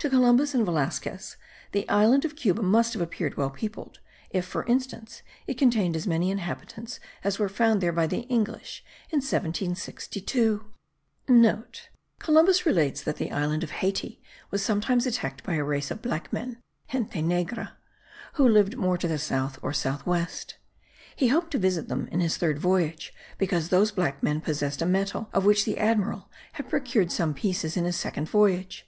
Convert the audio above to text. To Columbus and Velasquez the island of Cuba must have appeared well peopled,* if, for instance, it contained as many inhabitants as were found there by the English in 1762. (* Columbus relates that the island of Hayti was sometimes attacked by a race of black men (gente negra), who lived more to the south or south west. He hoped to visit them in his third voyage because those black men possessed a metal of which the admiral had procured some pieces in his second voyage.